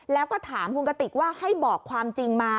แล้วก็ถามคุณกติกว่าให้บอกความจริงมา